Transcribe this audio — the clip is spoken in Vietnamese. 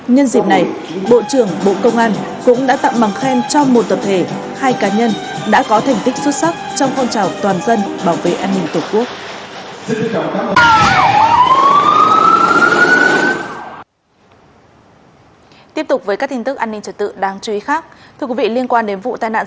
nhân dịp này bộ trưởng bộ công an cũng đã tặng bằng khen cho một tập thể hai cá nhân đã có thành tích xuất sắc trong phong trào toàn dân bảo vệ an ninh tổ quốc